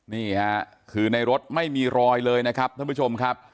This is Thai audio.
นี่ค่ะคือในรถไม่มีรอยเลยนะครับท่านผู้ชมครับ